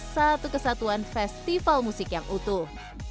satu kesatuan festival musik yang utuh